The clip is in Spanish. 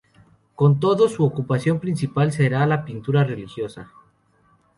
Con todo, su ocupación principal será la pintura religiosa.